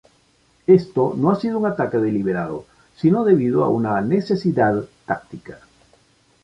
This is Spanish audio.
Esto no ha sido un ataque deliberado, sino debido a una necesidad táctica".